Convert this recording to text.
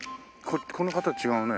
この方違うね。